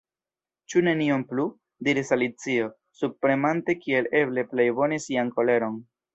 "Ĉu nenion plu?" diris Alicio, subpremante kiel eble plej bone sian koleron.